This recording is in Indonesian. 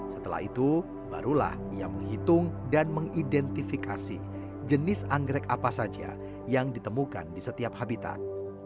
setelah itu barulah ia menghitung dan mengidentifikasi jenis anggrek apa saja yang ditemukan di setiap habitat